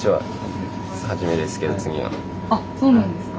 あっそうなんですか？